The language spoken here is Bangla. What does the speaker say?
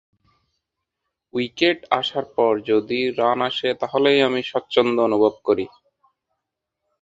উইকেটে আসার পর যদি রান আসে, তাহলেই আমি স্বচ্ছন্দ অনুভব করি।